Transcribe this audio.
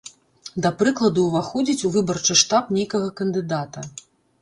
Да прыкладу, уваходзіць у выбарчы штаб нейкага кандыдата.